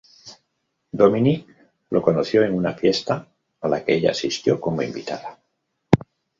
Dominique lo conoció en una fiesta a la que ella asistió como invitada.